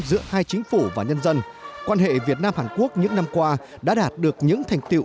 giữa hai chính phủ và nhân dân quan hệ việt nam hàn quốc những năm qua đã đạt được những thành tiệu